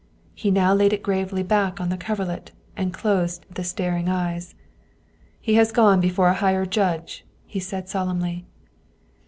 He now laid it gravely back on to the coverlet and closed the staring eyes. " He has gone before a higher judge," he said solemnly.